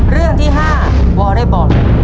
เรื่องที่๕วอเรย์บอล